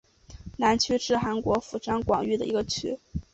南区是韩国釜山广域市的一个区。